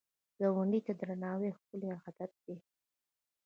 ګاونډي ته درناوی ښکلی عادت دی